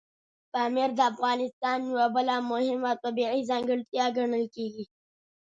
پامیر د افغانستان یوه بله مهمه طبیعي ځانګړتیا ګڼل کېږي.